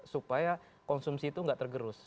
supaya konsumsi itu nggak tergerus